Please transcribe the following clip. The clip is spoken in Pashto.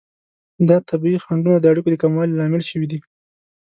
دا طبیعي خنډونه د اړیکو د کموالي لامل شوي دي.